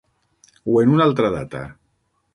O en una altra data?